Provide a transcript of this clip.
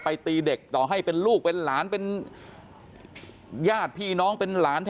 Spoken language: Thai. ตีเด็กต่อให้เป็นลูกเป็นหลานเป็นญาติพี่น้องเป็นหลาน